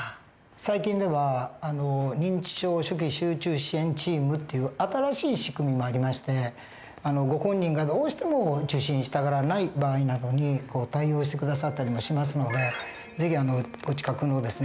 最近では認知症初期集中支援チームっていう新しい仕組みもありましてご本人がどうしても受診したがらない場合などに対応して下さったりもしますので是非お近くのですね